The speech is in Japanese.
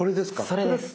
それです。